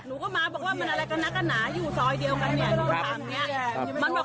หนูก็มาบอกว่ามันอะไรกันนักกันหนาอยู่ซอยเดียวกันเนี่ยทางเนี้ย